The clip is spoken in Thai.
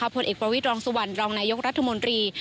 ผลเอกประวิทย์รองสุวรรครองนายกรัฐมนตรี